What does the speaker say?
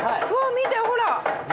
見てほら。